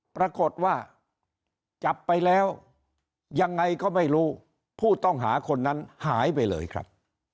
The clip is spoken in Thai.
ปรากฏว่าจับไปแล้วยังไงก็ไม่รู้ผู้ต้องหาคนนั้นหายไปเลยครับ